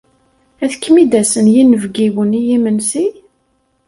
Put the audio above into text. Ad kem-id-asen yinebgiwen i yimensi?